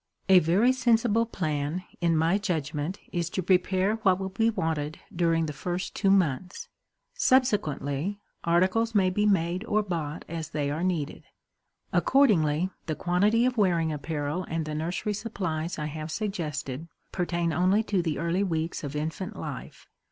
A very sensible plan, in my judgment, is to prepare what will be wanted during the first two months; subsequently, articles may be made or bought as they are needed. Accordingly, the quantity of wearing apparel and the nursery supplies I have suggested pertain only to the early weeks of infant life.